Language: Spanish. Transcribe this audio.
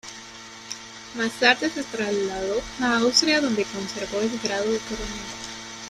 Más tarde se trasladó a Austria donde conservó el grado de coronel.